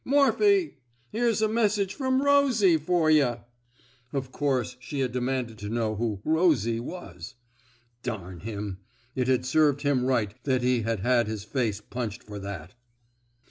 Morphy! Here's a message from Rosie for yuh! '* Of course she had demanded to know who Rosie '* was. Darn him! It had served him right that he had had his face punched for that.